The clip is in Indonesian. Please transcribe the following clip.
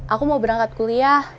aku mau berangkat kuliah